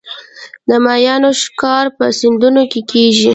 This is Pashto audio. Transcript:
د ماهیانو ښکار په سیندونو کې کیږي